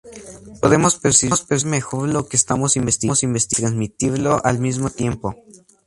Podemos percibir mejor lo que estamos investigando y transmitirlo al mismo tiempo.